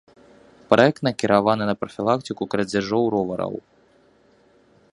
Праект накіраваны на прафілактыку крадзяжоў ровараў.